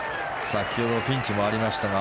先ほどピンチもありましたが